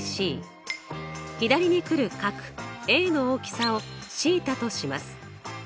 左に来る角Ａの大きさをθとします。